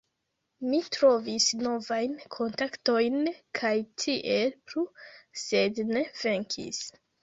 Mi trovis novajn kontaktojn kaj tiel plu sed ne venkis